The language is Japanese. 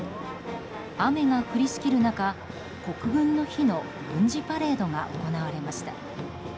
雨が降りしきる中、国軍の日の軍事パレードが行われました。